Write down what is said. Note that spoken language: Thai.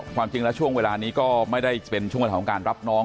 ความจริงแล้วช่วงเวลานี้ก็ไม่ได้เป็นช่วงเวลาของการรับน้อง